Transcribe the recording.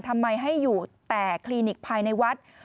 ทำไมให้อยู่แต่คลินิกภายในวัด